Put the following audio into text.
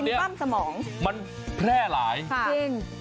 เพราะตอนนี้มันแพร่หลายจริง